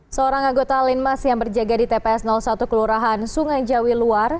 seorang anggota linmas yang berjaga di tps satu kelurahan sungai jawi luar